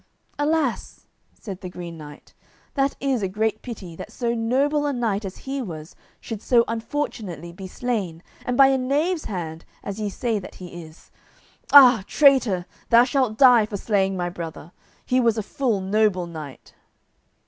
"Alas," said the Green Knight, "that is great pity that so noble a knight as he was should so unfortunately be slain, and by a knave's hand, as ye say that he is. Ah! traitor, thou shalt die for slaying my brother; he was a full noble knight."